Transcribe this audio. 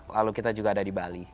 lalu kita juga ada di bali